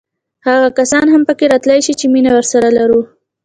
هغه کسان هم پکې راتللی شي چې مینه ورسره لرو.